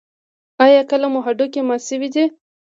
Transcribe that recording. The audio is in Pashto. ایا کله مو هډوکی مات شوی دی؟